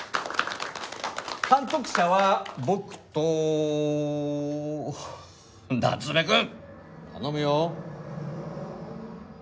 監督者は僕と夏目くん！頼むよ。